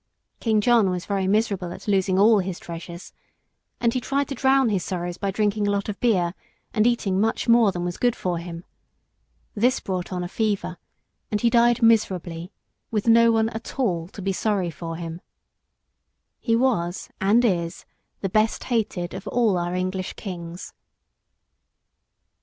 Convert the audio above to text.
King John was very miserable at losing all his treasures, and he tried to drown his sorrows by drinking a lot of beer and eating much more than was good for him. This brought on a fever, and he died miserably, with no one at all to be sorry for him. [Sidenote: A.D. 1216.] He was and is the best hated of all our English kings.